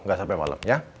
gak sampe malem ya